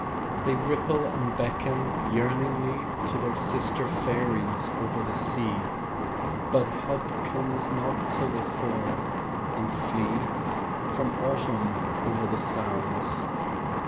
They ripple and beckon yearningly To their sister fairies over the sea, But help comes not, So they fall and flee From Autumn over the sands.